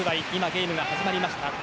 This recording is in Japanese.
ゲームが始まりました。